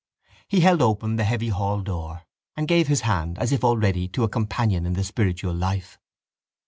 He held open the heavy hall door and gave his hand as if already to a companion in the spiritual life.